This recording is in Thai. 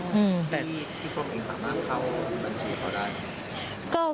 แต่มีที่ส่วนอีกสามบ้านเข้าบัญชีเขาได้